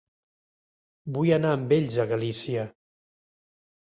Vull anar amb ells a Galícia.